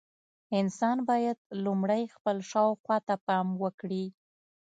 انسان باید لومړی خپل شاوخوا ته پام وکړي.